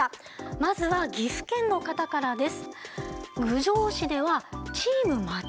まずは岐阜県の方からです。